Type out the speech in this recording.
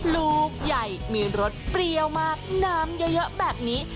ลูกใหญ่มีรสเปรี้ยวมากน้ำเยอะแบบนี้